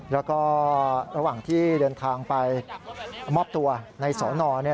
แล้วก็ระหว่างที่เดินทางไปมอบตัวในสอนอเนี่ย